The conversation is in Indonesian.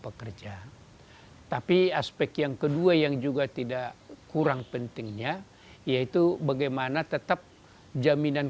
pekerja tapi aspek yang kedua yang juga tidak kurang pentingnya yaitu bagaimana tetap jaminan